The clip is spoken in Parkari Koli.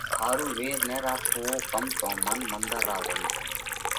ۿارُو وير نہ راکوو ڪم تو من منۮر را زم سئہ